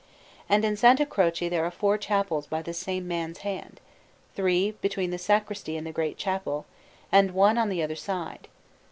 And in S. Croce there are four chapels by the same man's hand: three between the sacristy and the great chapel, and one on the other side.